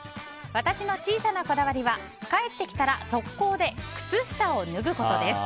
私の小さなこだわりは帰ってきたら速攻で靴下を脱ぐことです。